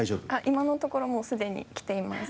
今のところもうすでにきています。